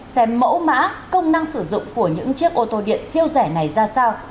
xem mẫu mã công năng sử dụng của những chiếc ô tô điện siêu rẻ này ra sao